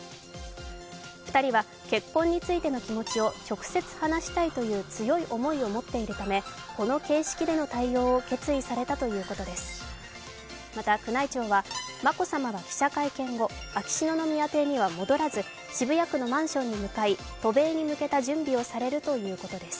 ２人は結婚について気持ちを直接話したいという強い気持ちを持っているためこの形式での対応を決意されたということです。